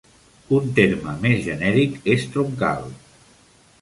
Un terme més genèric és "troncal".